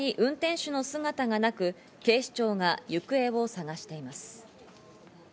現場に運転手の姿がなく、警視庁が行方を捜しています。